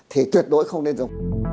thì tuyệt đối không nên dùng